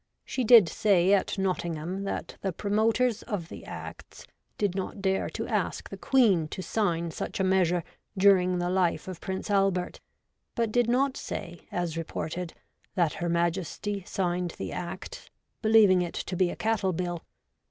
She did say at Nottingham that the promoters of the Acts did not dare to ask the Queen to sign such a measure during the life of Prince Albert ; but did not say, as reported, that Her Majesty signed the Act believing it to be a Cattle Bill.